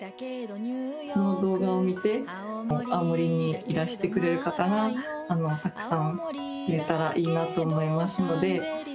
この動画を見て、青森にいらしてくれる方が、たくさん増えたらいいなと思いますので。